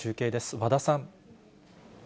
和田さん。